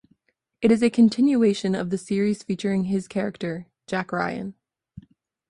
It is a continuation of the series featuring his character Jack Ryan.